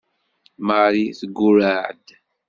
Marie teggurreɛ-d.